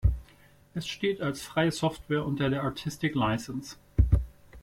Es steht als freie Software unter der Artistic License.